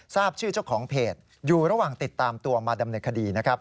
ทราบชื่อเจ้าของเพจอยู่ระหว่างติดตามตัวมาดำเนินคดีนะครับ